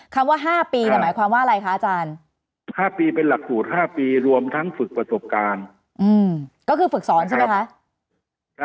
คำว่า๕ปีหมายความว่าอะไรคะอาจารย์๕ปีเป็นหลักสูตร๕ปีรวมทั้งฝึกประสบการณ์ก็คือฝึกสอนใช่ไหมคะ